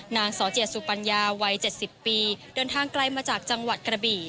สอเจียสุปัญญาวัย๗๐ปีเดินทางไกลมาจากจังหวัดกระบี่